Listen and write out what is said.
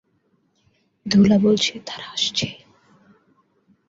ধূলা বলছে, তারা আসছে।